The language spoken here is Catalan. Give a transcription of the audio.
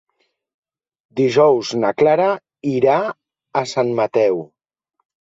Dijous na Clara irà a Sant Mateu.